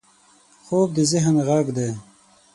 خوب د ذهن غږ دی